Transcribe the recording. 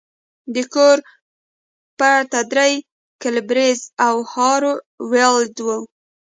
د کور پته درې ګیبلز او هارو ویلډ وه